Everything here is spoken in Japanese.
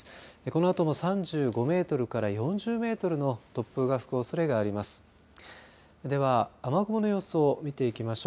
このあとも３５メートルから４０メートルの突風が吹くおそれがあります。